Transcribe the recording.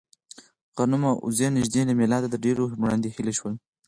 غنم او اوزې نږدې له مېلاده ډېر وړاندې اهلي شول.